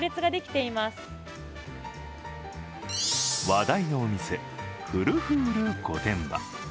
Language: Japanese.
話題のお店、フルフール御殿場。